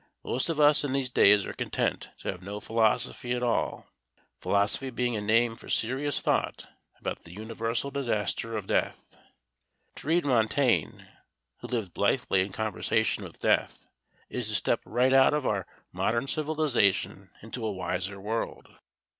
Most of us in these days are content to have no philosophy at all, philosophy being a name for serious thought about the universal disaster of death. To read Montaigne, who lived blithely in conversation with death, is to step right out of our modern civilisation into a wiser world.